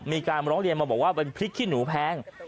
มีการร้องเรียนมาบอกว่าเป็นพริกขี้หนูแพง